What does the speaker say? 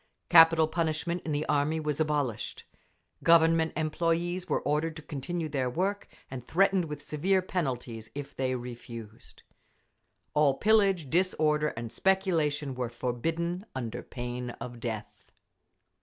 Capital punishment in the army was abolished. Government employees were ordered to continue their work, and threatened with severe penalties if they refused. All pillage, disorder and speculation were forbidden under pain of death.